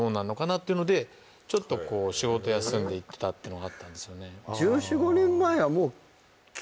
っていうのでちょっとこう仕事休んで行ってたっていうのがあったんですよね